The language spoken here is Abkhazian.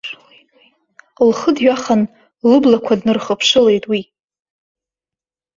Лхы дҩахан лыблақәа днырхыԥшылеит уи.